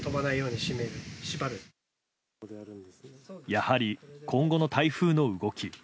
やはり今後の台風の動き。